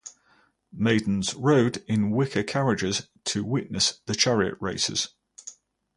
Maidens rode in wicker carriages to witness the chariot races.